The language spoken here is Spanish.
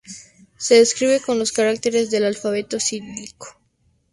Se escribe con los caracteres del alfabeto cirílico.